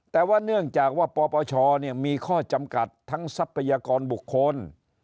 แต่ว่าเนื่องจากว่าปปชมีข้อจำกัดทั้งทรัพยากรบุคคล